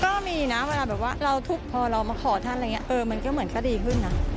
ก็มีนะเวลาแบบว่าเราทุกข์พอเรามาขอท่านอะไรอย่างนี้เออมันก็เหมือนก็ดีขึ้นนะ